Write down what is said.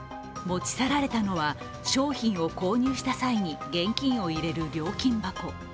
持ち去られたのは商品を購入した際に現金を入れる料金箱。